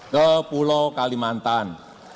ke pulau kalimantan